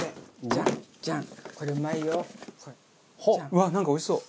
うわっなんかおいしそう。